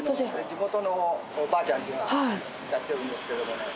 地元のおばあちゃんがやってるんですけどもね。